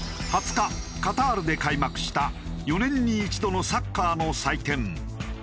２０日カタールで開幕した４年に一度のサッカーの祭典ＦＩＦＡ